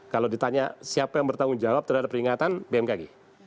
kalau ditanya siapa yang bertanggung jawab terhadap peringatan bmkg